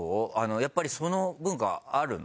やっぱりその文化あるの？